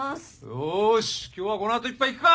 よし今日はこの後一杯行くか！